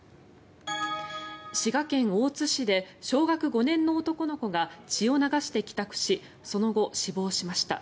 滋賀県大津市で小学５年の男の子が血を流して帰宅しその後、死亡しました。